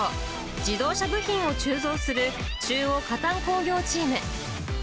自動車部品を鋳造する中央可鍛工業チーム。